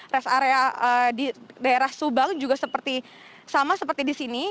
rest area di daerah subang juga sama seperti di sini